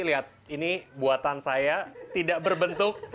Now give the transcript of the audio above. lihat ini buatan saya tidak berbentuk